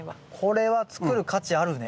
これは作る価値あるね。